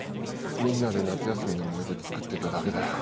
みんなで夏休みの思い出つくってただけだよ。